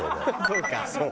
そうか。